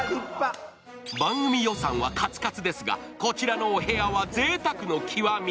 番組予算はカツカツですが、こちらのお部屋はぜいたくの極み。